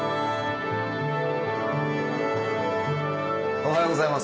おはようございます。